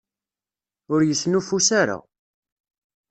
Ur yesnuffus ara!